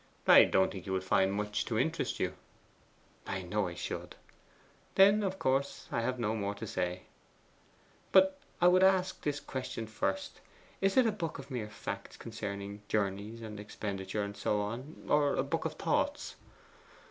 'I don't think you would find much to interest you.' 'I know I should.' 'Then of course I have no more to say.' 'But I would ask this question first. Is it a book of mere facts concerning journeys and expenditure, and so on, or a book of thoughts?